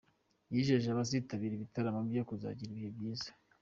Yijeje abazitabira ibitaramo bye kuzagira ibihe byiza.